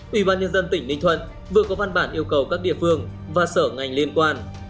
ủy ban nhân dân tỉnh ninh thuận vừa có văn bản yêu cầu các địa phương và sở ngành liên quan đến trung cư đền lử